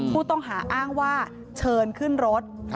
ผู้ต้องหาอ้างว่าเชิญขึ้นรถ